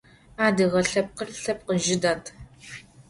Adıge lhepkhır lhepkh zjı ded.